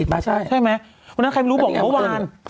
วันนั้นใครไม่รู้บอกเมื่อวาน